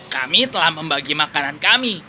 kami telah membagi makanan kami